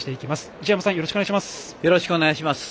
内山さん、よろしくお願いします。